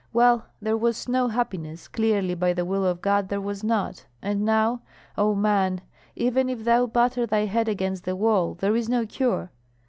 Well, there was no happiness, clearly by the will of God there was not; and now, O man, even if thou batter thy head against the wall, there is no cure!